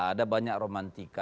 ada banyak romantika